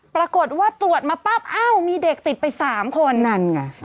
ปรากฏว่าตรวจมาปั๊บอ้าวมีเด็กติดไปสามคนนั่นไง